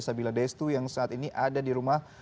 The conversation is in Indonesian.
sabila destu yang saat ini ada di rumah